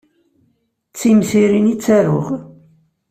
D timsirin i ttaruɣ.